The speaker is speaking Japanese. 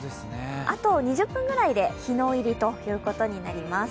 あと２０分ぐらいで日の入りということになります。